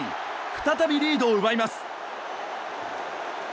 再びリードを奪います。